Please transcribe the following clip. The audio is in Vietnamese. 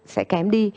sẽ kém đi